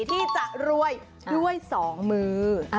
ที่จะรวยด้วย๒มือ